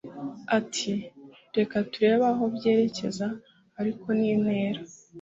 Ati ‘‘Reka turebe aho byerekeza ariko ni intera